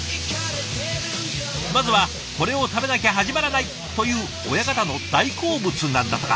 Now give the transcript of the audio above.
まずはこれを食べなきゃ始まらないという親方の大好物なんだとか。